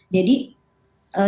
jadi dampaknya ya itu